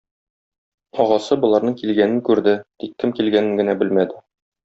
Агасы боларның килгәнен күрде, тик кем килгәнен генә белмәде.